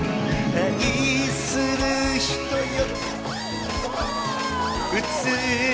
愛する人よ。